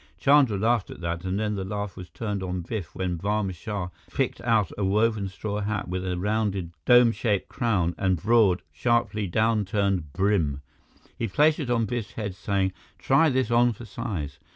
Chandra laughed at that, and then the laugh was turned on Biff when Barma Shah picked out a woven straw hat with a rounded, dome shaped crown and broad, sharply down turned brim. He placed it on Biff's head, saying, "Try this on for size."